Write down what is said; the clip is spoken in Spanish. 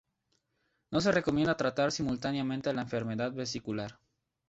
No se recomienda tratar simultáneamente la enfermedad vesicular.